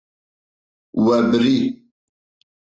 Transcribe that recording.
We birî.